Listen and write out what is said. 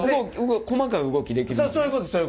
細かい動きできるもんね。